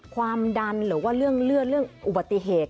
ความดันหรือว่าเรื่องเลือดเรื่องอุบัติเหตุ